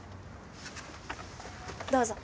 どうぞ。